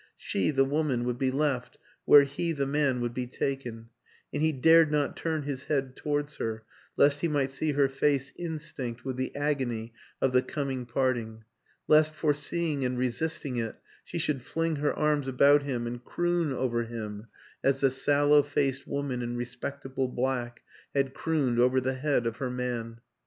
She, the woman, would be left where he, the man, would be taken and he dared not turn his head towards her lest he might see her face instinct with the agony of the coming parting, lest, fore seeing and resisting it, she should fling her arms about him and croon over him as the sallow faced woman in respectable black had crooned over the head of her man.